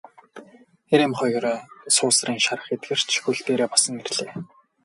Эр эм хоёр суусрын шарх эдгэрч хөл дээрээ босон ирлээ.